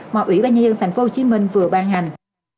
mà ủy ban nhân dân tp hcm vừa ban hành